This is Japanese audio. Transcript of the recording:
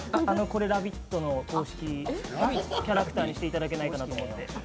これ、「ラヴィット！」の公式キャラクターにしていただけないかと思って。